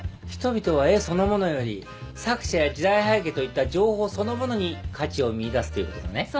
人々は絵そのものより作者や時代背景といった情報そのものに価値を見いだすということだね？